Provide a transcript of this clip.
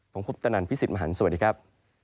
ผมคุปตนันพี่สิทธิมหันฯสวัสดีครับ